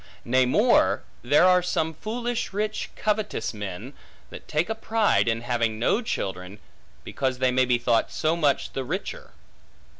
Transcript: Nay more, there are some foolish rich covetous men, that take a pride, in having no children, because they may be thought so much the richer.